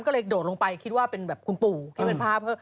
ก็เลยโดดลงไปคิดว่าเป็นแบบคุณปู่คิดว่าเป็นภาพ